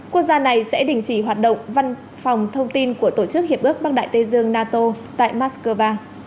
quốc gia này sẽ đình chỉ hoạt động văn phòng thông tin của tổ chức hiệp ước bắc đại tây dương nato tại moscow